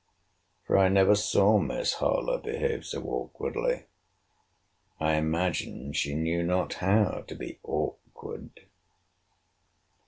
for I never saw Miss Harlowe behave so awkwardly. I imagined she knew not how to be awkward.